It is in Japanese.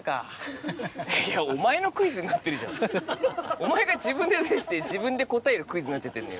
お前が自分で出して自分で答えるクイズになっちゃってるのよ。